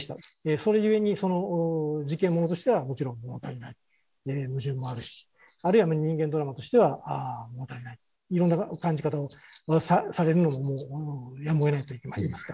それゆえに事件物としてはもちろん物足りないで矛盾もあるしあるいは人間ドラマとしては物足りないいろんな感じ方をされるのがやむを得ないといいますか。